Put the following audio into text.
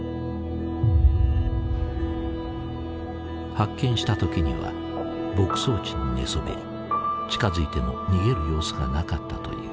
発見した時には牧草地に寝そべり近づいても逃げる様子がなかったという。